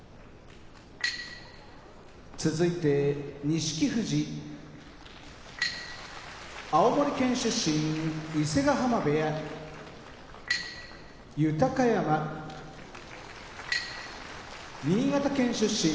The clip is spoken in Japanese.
錦富士青森県出身伊勢ヶ濱部屋豊山新潟県出身